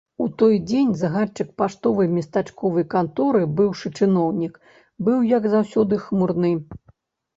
У той дзень загадчык паштовай местачковай канторы, быўшы чыноўнік, быў, як заўсёды, хмурны.